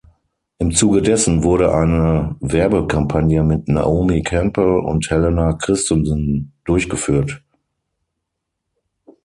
Im Zuge dessen wurde eine Werbekampagne mit Naomi Campbell und Helena Christensen durchgeführt.